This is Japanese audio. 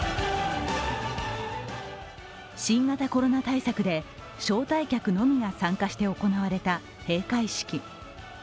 新型コロナ対策で、招待客のみが参加して行われた閉会式。